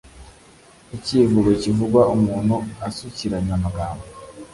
ikivugo kivugwa umuntu asukiranya amagambo